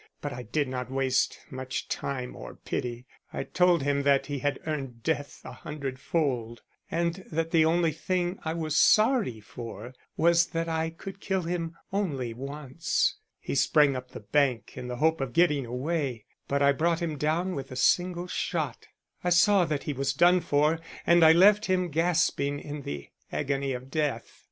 But I didn't waste much time or pity. I told him that he had earned death a hundredfold, and that the only thing I was sorry for was that I could kill him only once. He sprang up the bank in the hope of getting away, but I brought him down with a single shot. I saw that he was done for and I left him gasping in the agony of death.